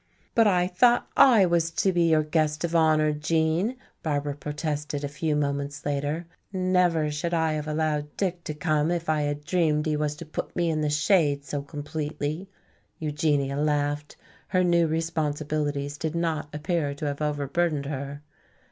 "But I thought I was to be your guest of honor, Gene?" Barbara protested a few moments later. "Never should I have allowed Dick to come if I had dreamed he was to put me in the shade so completely." Eugenia laughed. Her new responsibilities did not appear to have overburdened her.